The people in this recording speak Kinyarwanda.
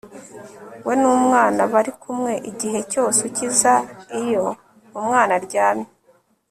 we n'umwana bari kumwe igihe cyose ukiza iyo umwana aryamye